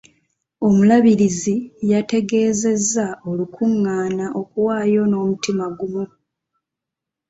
Omulabirizi yategezezza olukungaana okuwaayo n'omutima gumu.